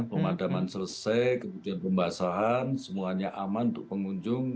pemadaman selesai kemudian pembasahan semuanya aman untuk pengunjung